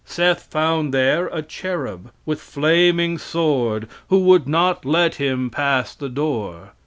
Seth found there a cherub, with flaming sword, who would not let him pass the door.